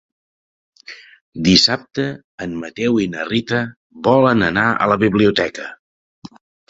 Dissabte en Mateu i na Rita volen anar a la biblioteca.